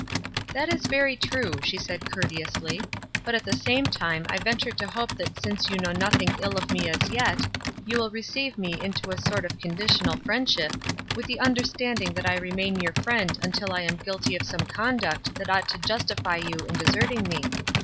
"That is very true," she said, courteously; "but at the same time I venture to hope that since you know nothing ill of me as yet, you will receive me into a sort of conditional friendship, with the understanding that I remain your friend until I am guilty of some conduct that ought to justify you in deserting me.